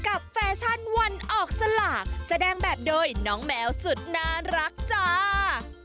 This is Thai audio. แฟชั่นวันออกสลากแสดงแบบโดยน้องแมวสุดน่ารักจ้า